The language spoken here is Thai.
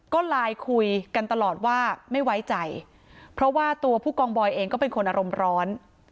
ก็ไลน์คุยกันตลอดว่าไม่ไว้ใจเพราะว่าตัวผู้กองบอยเองก็เป็นคนอารมณ์ร้อน